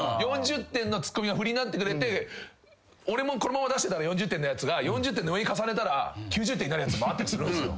４０点のツッコミが振りになってくれて俺もこのまま出してたら４０点が４０点の上に重ねたら９０点になるやつもあったりするんすよ。